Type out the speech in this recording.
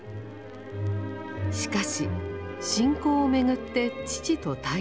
しかし信仰を巡って父と対立。